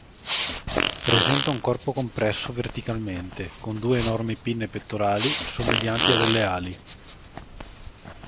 Presenta un corpo compresso verticalmente, con due enormi pinne pettorali, somiglianti a delle ali.